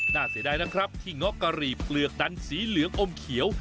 เสียดายนะครับที่เงาะกะหรี่เปลือกดันสีเหลืองอมเขียว